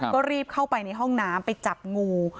ก็รีบเข้าไปในห้องน้ำไปจับงู